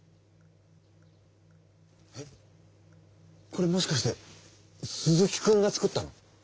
これもしかして鈴木くんが作ったの？